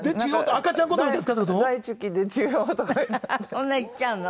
そんな言っちゃうの？